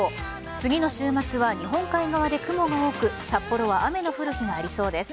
次の週末は、日本海側で雲が多く札幌は雨の降る日がありそうです。